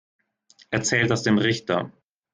Erzähl das dem Richter.